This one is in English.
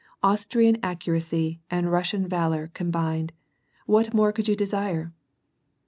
Austrian accuracy and Russian Valor combined ! what more could yoa desire